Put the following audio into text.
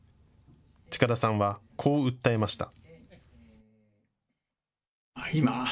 近田さんはこう訴えました。